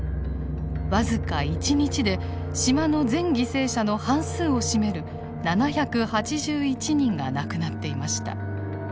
僅か一日で島の全犠牲者の半数を占める７８１人が亡くなっていました。